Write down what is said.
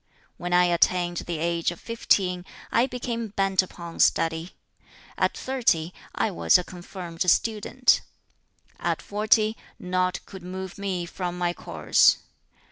"When I attained the age of fifteen, I became bent upon study. At thirty, I was a confirmed student. At forty, nought could move me from my course.